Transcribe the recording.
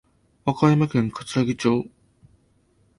和歌山県かつらぎ町